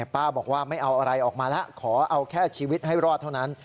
ป้าบอกว่าไม่เอาอะไรออกมาแล้วขอเอาแค่ชีวิตให้รอดเท่านั้น